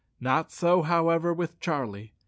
Not so, however, with Charlie.